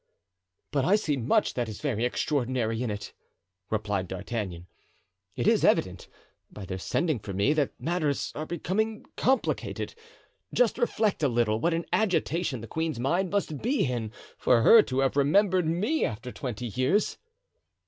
"But I see much that is very extraordinary in it," replied D'Artagnan. "It is evident, by their sending for me, that matters are becoming complicated. Just reflect a little what an agitation the queen's mind must be in for her to have remembered me after twenty years."